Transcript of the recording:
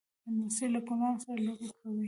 لمسی له ګلانو سره لوبې کوي.